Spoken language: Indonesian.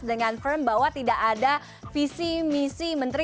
dengan firm bahwa tidak ada visi misi menteri